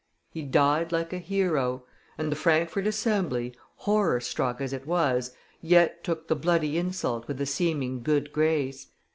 He died like a hero. And the Frankfort Assembly, horrorstruck as it was, yet took the bloody insult with a seeming good grace.